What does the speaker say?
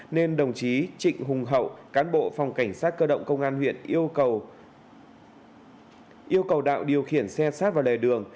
nên đồng chí trịnh hùng hậu cán bộ phòng cảnh sát cơ động công an huyện yêu cầu yêu cầu đạo điều khiển xe sát vào lề đường